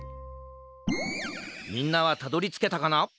みんなはたどりつけたかな？